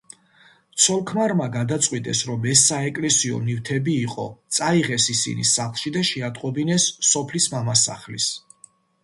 ცოლ-ქმარმა გადაწყვიტეს, რომ ეს საეკლესიო ნივთები იყო, წაიღეს ისინი სახლში და შეატყობინეს სოფლის მამასახლისს.